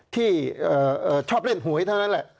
ที่ชอบเล่นหวยเท่านั้นแหละ